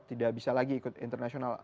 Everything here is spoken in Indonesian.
tidak bisa lagi ikut internasional